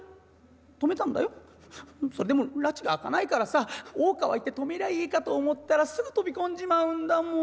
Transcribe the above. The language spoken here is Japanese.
でもらちが明かないからさ大川行って止めりゃいいかと思ったらすぐ飛び込んじまうんだもん。